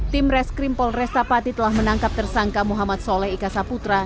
tim reskrim polrestapati telah menangkap tersangka muhammad soleh ika saputra